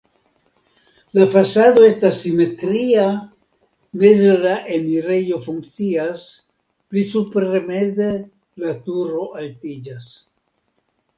La fasado estas simetria, meze la enirejo funkcias, pli supre meze la turo altiĝas.